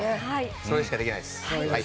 それしかできないです。